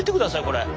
これ。